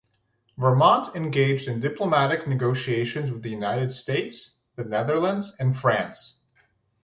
Vermont engaged in diplomatic negotiations with the United States, the Netherlands, and France.